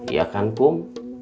iya kan pum